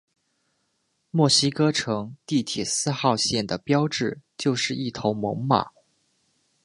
墨西哥城地铁四号线的标志就是一头猛犸。